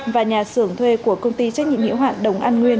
và nhà xưởng thuê của công ty trách nhiệm hiệu hạn đồng an nguyên